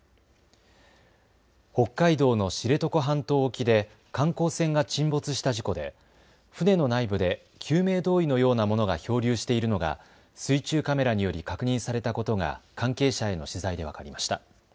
北海道の知床半島沖で観光船が沈没した事故で船の内部で救命胴衣のようなものが漂流しているのが水中カメラにより確認されたことが関係者への取材で分かりました。